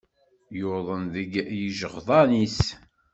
Yuḍen deg yijeɣdan-is.